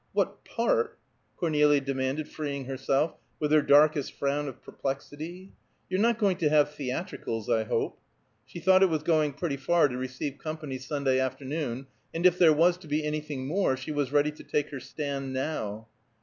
"What part?" Cornelia demanded, freeing herself, with her darkest frown of perplexity. "You're not going to have theatricals, I hope." She thought it was going pretty far to receive company Sunday afternoon, and if there was to be anything more she was ready to take her stand now.